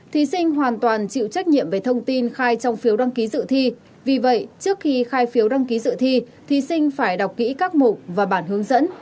thí sinh hoàn toàn chịu trách nhiệm về thông tin khai trong phiếu đăng ký dự thi vì vậy trước khi khai phiếu đăng ký dự thi thí sinh phải đọc kỹ các mục và bản hướng dẫn